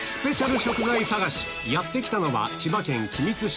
やって来たのは千葉県君津市